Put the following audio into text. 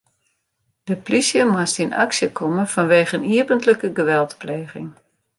De polysje moast yn aksje komme fanwegen iepentlike geweldpleging.